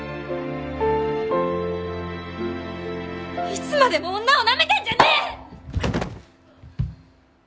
いつまでも女をなめてんじゃねえ！